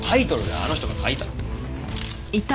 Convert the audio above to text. あの人が書いたの。